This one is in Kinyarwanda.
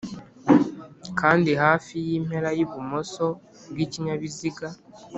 kandi hafi y'impera y'ibumoso bw'ikinyabiziga.